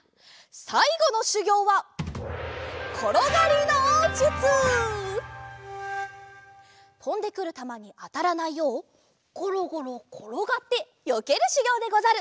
さいごのしゅぎょうはとんでくるたまにあたらないようごろごろころがってよけるしゅぎょうでござる！